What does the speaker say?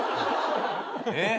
えっ？